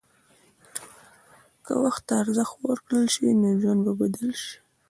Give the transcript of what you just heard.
که وخت ته ارزښت ورکړل شي، نو ژوند به بدل شي.